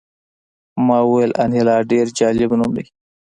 ما وویل انیلا ډېر جالب نوم دی